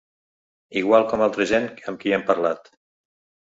Igual com altra gent amb qui hem parlat.